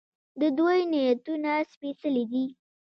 د دوی نیتونه سپیڅلي دي.